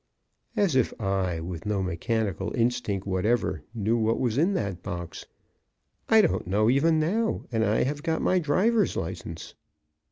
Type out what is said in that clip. As if I, with no mechanical instinct whatever, knew what was in that box! I don't know even now, and I have got my driver's license.